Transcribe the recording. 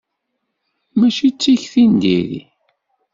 Mačči d tikti n diri.